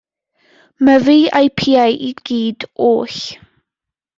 Myfi a'i piau i gyd oll.